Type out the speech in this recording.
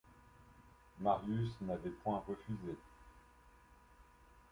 Marius n’avait point refusé.